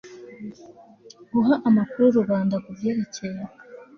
guha amakuru rubanda ku byerekeye